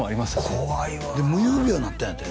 怖いわ夢遊病になったんやて？